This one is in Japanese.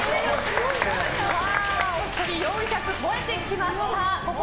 お一人４００超えてきました。